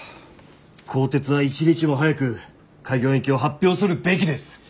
高鐵は一日も早く開業延期を発表するべきです。